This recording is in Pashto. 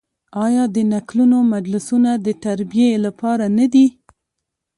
آیا د نکلونو مجلسونه د تربیې لپاره نه دي؟